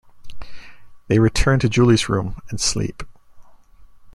They return to Julie's room and sleep.